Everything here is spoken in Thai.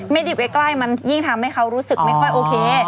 ดิบใกล้มันยิ่งทำให้เขารู้สึกไม่ค่อยโอเค